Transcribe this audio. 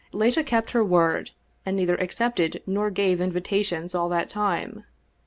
Leta kept her word, and neither accepted nor gave invitations all that time.